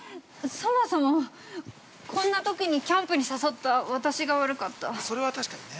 そもそも、こんなときにキャンプに誘った私が悪かった。